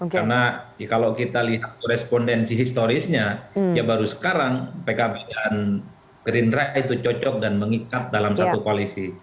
karena kalau kita lihat korespondensi historisnya ya baru sekarang pkb dan gerindra itu cocok dan mengikat dalam satu koalisi